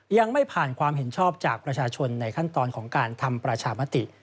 ยังไม่ผ่านความเห็นชอบจากประชาชนในขั้นตอนของการทำประชามติ